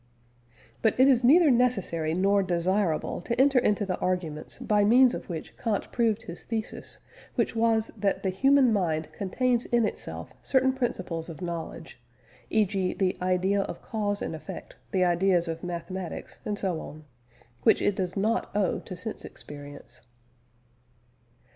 But it is neither necessary nor desirable to enter into the arguments by means of which Kant proved his thesis, which was that the human mind contains in itself certain principles of knowledge (e.g. the idea of cause and effect, the ideas of mathematics, and so on) which it does not owe to sense experience.